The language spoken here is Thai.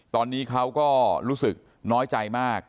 ตอนนี้เขาก็รู้สึกน้อยใจมาก